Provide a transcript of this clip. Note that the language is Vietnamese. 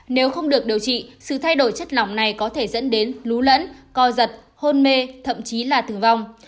nếu không được điều trị sự thay đổi chất lỏng này có thể dẫn đến lún lẫn co giật hôn mê thậm chí là tử vong